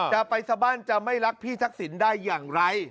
จะไปสบั้นจะไม่รักพี่ทักษิณได้อย่างไร